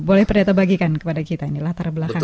boleh pendeta bagikan kepada kita